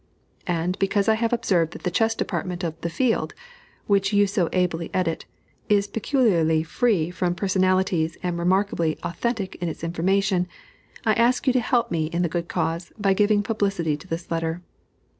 And because I have observed that the chess department of The Field, which you so ably edit, is peculiarly free from personalities and remarkably authentic in its information, I ask you to help me in the good cause by giving publicity to this letter.